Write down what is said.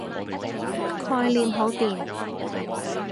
概念好掂